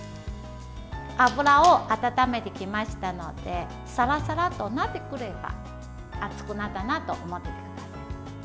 油を温めてきましたのでさらさらとなってくれば熱くなったなと思ってください。